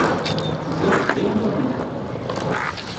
Ikad-d d ayen ur nemεin.